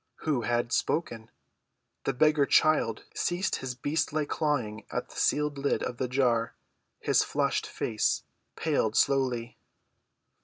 Who had spoken? The beggar child ceased his beast‐like clawing at the sealed lid of the jar; his flushed face paled slowly.